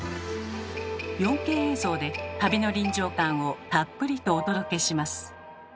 ４Ｋ映像で旅の臨場感をたっぷりとお届けします。